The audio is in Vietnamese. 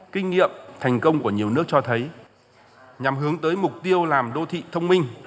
kinh nghiệm thành công của nhiều nước cho thấy nhằm hướng tới mục tiêu làm đô thị thông minh